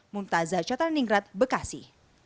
mumtazah chattaningrat bekasi